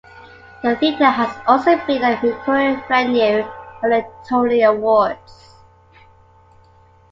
The theatre has also been a recurring venue for the Tony Awards.